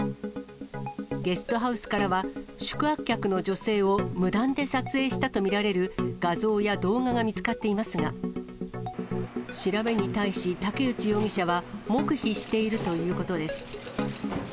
ゲストハウスからは宿泊客の女性を無断で撮影したと見られる画像や動画が見つかっていますが、調べに対し武内容疑者は、黙秘しているということです。